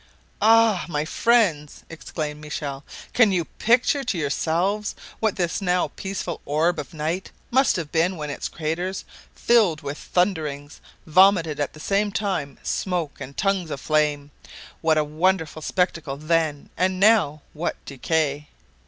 "Ah! my friends," exclaimed Michel, "can you picture to yourselves what this now peaceful orb of night must have been when its craters, filled with thunderings, vomited at the same time smoke and tongues of flame. What a wonderful spectacle then, and now what decay!